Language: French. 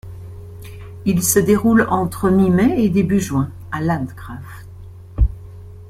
Il se déroule entre mi-mai et début juin à Landgraaf.